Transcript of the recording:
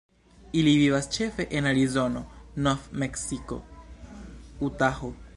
Ili vivas ĉefe en Arizono, Nov-Meksiko, Utaho.